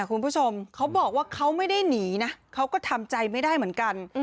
คุณผู้ชมเขาบอกว่าเขาไม่ได้หนีนะเขาก็ทำใจไม่ได้เหมือนกัน